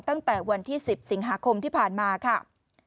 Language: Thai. ตั้งแต่วันที่๑๐สิงหาคมที่ผ่านมาค่ะ